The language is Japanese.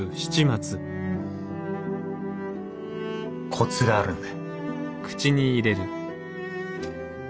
コツがあるんだ。